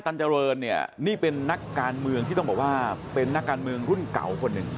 เจริญเนี่ยนี่เป็นนักการเมืองที่ต้องบอกว่าเป็นนักการเมืองรุ่นเก่าคนหนึ่ง